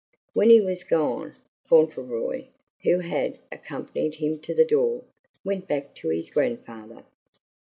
When he was gone, Fauntleroy, who had accompanied him to the door, went back to his grandfather.